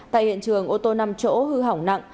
tại hiện trường ô tô năm chỗ hư hỏng nặng